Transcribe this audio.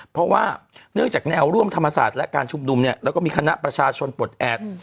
เพราะว่าเนื่องจากแนวร่วมธรรมศาสตร์และการชุมนุมเนี่ยแล้วก็มีคณะประชาชนปลดแอบ